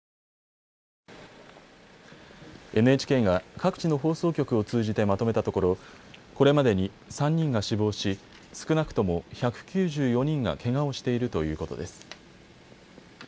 ＮＨＫが各地の放送局を通じてまとめたところこれまでに３人が死亡し少なくとも１９４人がけがをしているということです。